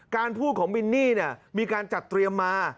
การพูดของมินนี่มีการจัดเตรียมมา